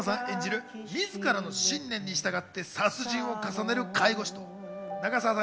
映画は松山さん演じる、自らの信念に従って殺人を重ねる介護士と長澤さん